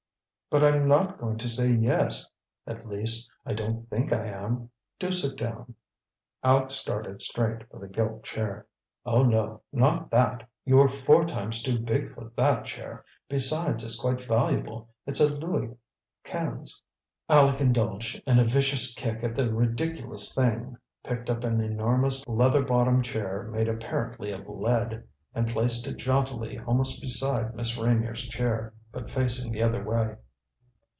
'" "But I'm not going to say 'yes;' at least, I don't think I am. Do sit down." Aleck started straight for the gilt chair. "Oh, no; not that! You are four times too big for that chair. Besides, it's quite valuable; it's a Louis Quinze." Aleck indulged in a vicious kick at the ridiculous thing, picked up an enormous leather bottomed chair made apparently of lead, and placed it jauntily almost beside Miss Reynier's chair, but facing the other way.